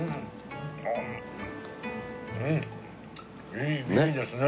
いい美味ですね。